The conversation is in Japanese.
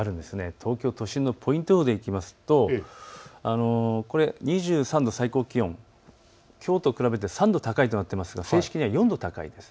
東京都心のポイント予報で見ていくと最高気温２３度、きょうと比べると３度高いとなっていますが正式には４度です。